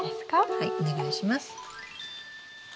はいお願いします。